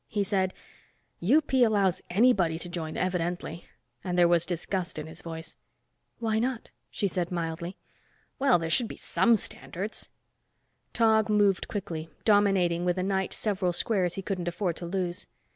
He said, "UP allows anybody to join evidently," and there was disgust in his voice. "Why not?" she said mildly. "Well, there should be some standards." Tog moved quickly, dominating with a knight several squares he couldn't afford to lose.